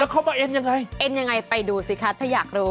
เขามาเอ็นยังไงเอ็นยังไงไปดูสิคะถ้าอยากรู้